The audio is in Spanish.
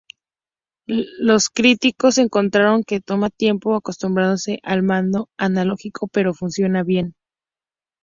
Los críticos encontraron que toma tiempo acostumbrarse al mando analógico, pero funciona bien.